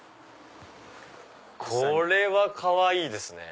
これはかわいいですね！